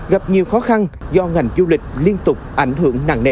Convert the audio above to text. gặp nhiều khó khăn do ngành du lịch liên tục ảnh hưởng nặng nề